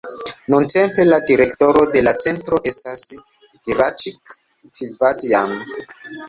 Nuntempe la direktoro de la centro estas Hraĉik Tavadjan.